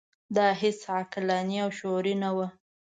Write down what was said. دا هیڅ عقلاني او شعوري نه وه.